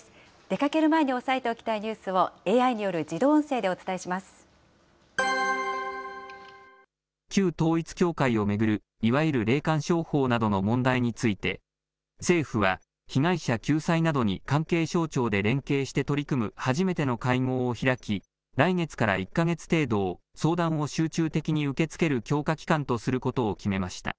出かける前に押さえておきたいニュースをＡＩによる自動音声でお旧統一教会を巡るいわゆる霊感商法などの問題について、政府は被害者救済などに関係省庁で連携して取り組む、初めての会合を開き、来月から１か月程度を相談を集中的に受け付ける強化期間とすることを決めました。